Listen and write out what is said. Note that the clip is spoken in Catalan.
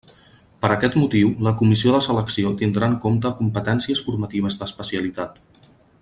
Per aquest motiu, la comissió de selecció tindrà en compte competències formatives d'especialitat.